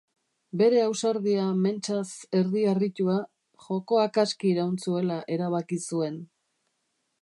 Bere ausardia mentsaz erdi harritua, jokoak aski iraun zuela erabaki zuen.